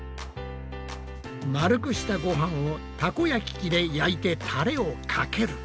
丸くしたごはんをたこ焼き器で焼いてタレをかける。